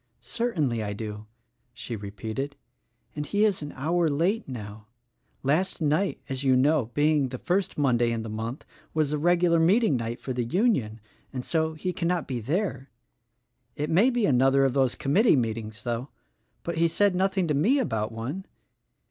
"Certainly I do," she repeated, "and he is an hour late now. Last night, as you know, being the first Monday in the month, was the regular meeting night for the Union; and so, he cannot be there. It may be another of those committee meetings, though; but he said nothing to me about one.